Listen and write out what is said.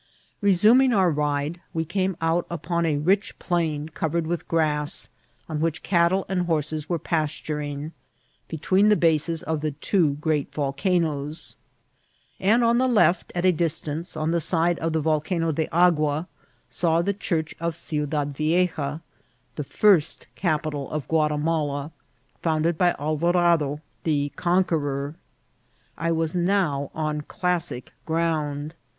Resuming our ride, we came out upon a rich plain oovered with grass, on which cattle and horses were pasturing, between the t>ases of the two great voIca« noes ; and on the left, at a distance, on the side of the Volcano de Agua, saw the Church of Ciudad Vieja, the first capital of Guatimala, founded by Alvarado the Conqueror. I was now on classic ground.